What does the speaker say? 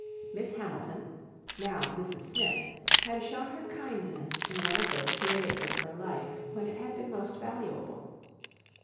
Miss Hamilton, now Mrs Smith, had shewn her kindness in one of those periods of her life when it had been most valuable.